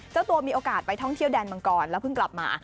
เจ้าตัวมีโอกาสไปท่องเที่ยวแดนมังกรแล้วเพิ่งกลับมา